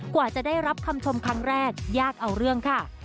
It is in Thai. กว่าจะได้รับคำชมครั้งแรกยากเอาเรื่องค่ะ